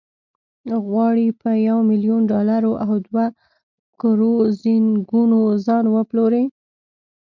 غواړي په یو میلیون ډالرو او دوه کروزینګونو ځان وپلوري.